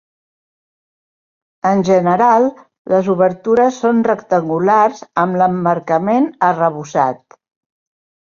En general, les obertures són rectangulars, amb l'emmarcament arrebossat.